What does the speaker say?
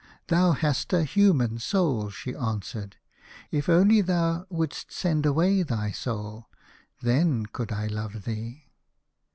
" Thou hast a human soul," she answered. " If only thou would'st send away thy soul, then could I love thee."